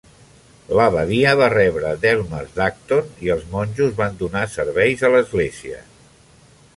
L'abadia va rebre delmes d'Acton i els monjos van donar serveis a l'església.